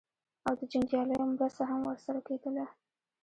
او د جنګیالیو مرسته هم ورسره کېدله.